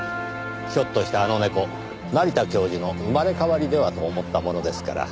ひょっとしてあの猫成田教授の生まれ変わりではと思ったものですから。